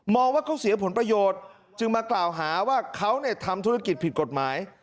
ว่าเขาเสียผลประโยชน์จึงมากล่าวหาว่าเขาทำธุรกิจผิดกฎหมาย